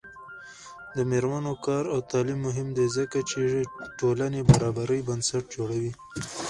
د میرمنو کار او تعلیم مهم دی ځکه چې ټولنې برابرۍ بنسټ جوړوي.